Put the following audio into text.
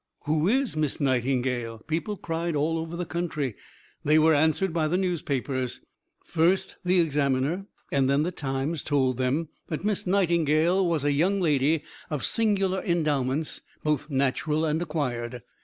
"Who is Miss Nightingale?" people cried all over the country. They were answered by the newspapers. First the Examiner and then the Times told them that Miss Nightingale was "a young lady of singular endowments both natural and acquired.